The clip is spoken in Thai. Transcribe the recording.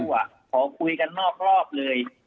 ขอคุยกันนอกรอบเลย